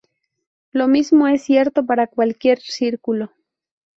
Lo mismo es cierto para cualquier círculo.